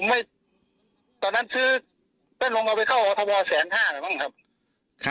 ไม่ตอนนั้นซื้อเป็นลงมาไปเข้าออธวาลแสนห้าหรือเปล่าครับ